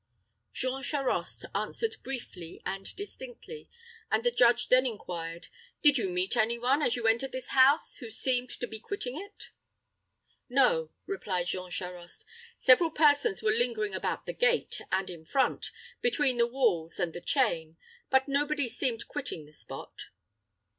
Jean Charost answered briefly and distinctly, and the judge then inquired, "Did you meet any one, as you entered this house, who seemed to be quitting it?" "No," replied Jean Charost, "several persons were lingering about the gate, and in front, between the walls and the chain; but nobody seemed quitting the spot."